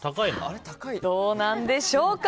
どうなんでしょうか。